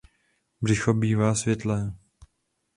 Břicho bývá světlé.